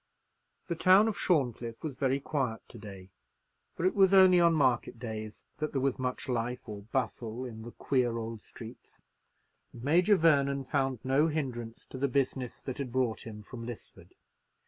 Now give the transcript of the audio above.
The town of Shorncliffe was very quiet to day, for it was only on market days that there was much life or bustle in the queer old streets, and Major Vernon found no hindrance to the business that had brought him from Lisford.